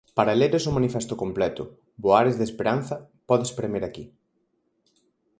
Para leres o manifesto completo Voares de esperanza podes premer aquí.